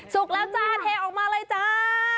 แล้วจ้าเทออกมาเลยจ้า